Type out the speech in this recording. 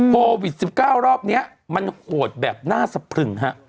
โควิด๑๙รอบนี้มันโหดแบบหน้าสะพรึงฮะ